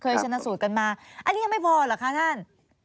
แต่แอปนี้คือยังไม่พอหรอกคะท่าน